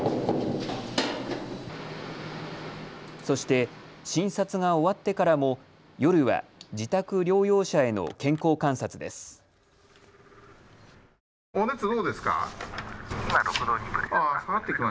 そして診察が終わってからも夜は自宅療養者への健康観察です。